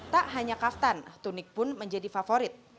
tak hanya kaftan tunik pun menjadi favorit